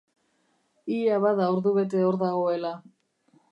Ia bada ordubete hor dagoela.